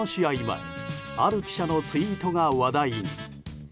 前ある記者のツイートが話題に。